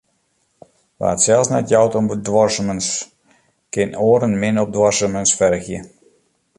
Wa't sels net jout om duorsumens, kin oaren min op duorsumens fergje.